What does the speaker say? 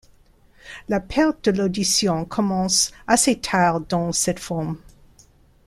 La perte de l'audition commence assez tard dans cette forme.